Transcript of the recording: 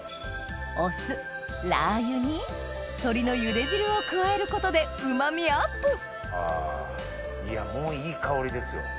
お酢ラー油に鶏のゆで汁を加えることでうま味アップあいやもういい香りですよ。